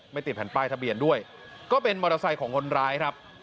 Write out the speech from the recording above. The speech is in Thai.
ติดแผ่นป้ายทะเบียนด้วยก็เป็นมอเตอร์ไซค์ของคนร้ายครับ